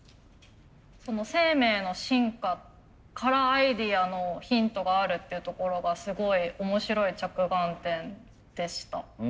生命の進化からアイデアのヒントがあるっていうところがすごい面白い着眼点でした。